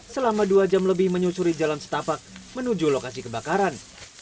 selama dua jam lebih menyusuri jalan setapak menuju lokasi kebakaran